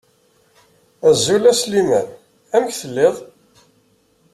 Azul a Sliman. Amek telliḍ?